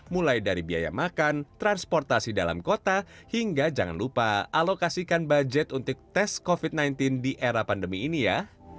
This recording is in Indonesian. mulai dari biaya makan transportasi dalam kota hingga jangan lupa alokasikan budget untuk tes covid sembilan belas di era pandemi ini ya